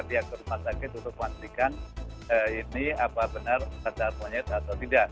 pihak ke rumah sakit untuk memastikan ini apa benar cacar monyet atau tidak